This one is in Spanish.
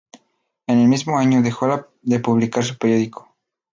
En el mismo año dejó de publicar su periódico.